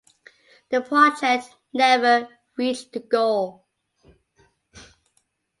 The project never reached the goal.